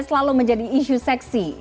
selalu menjadi isu seksi